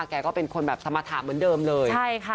แกเป็นคนแบบสมาธารเหมือนเดิมเลย